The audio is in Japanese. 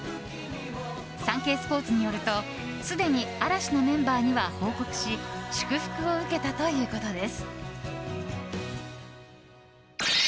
サンケイスポーツによるとすでに嵐のメンバーには報告し祝福を受けたということです。